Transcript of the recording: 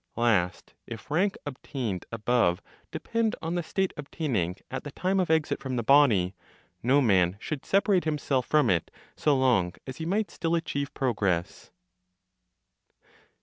Last, if rank obtained above depend on the state obtaining at the time of exit from the body, no man should separate himself from it so long as he might still achieve progress.